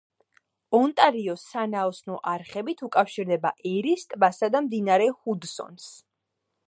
ონტარიო სანაოსნო არხებით უკავშირდება ერის ტბასა და მდინარე ჰუდსონს.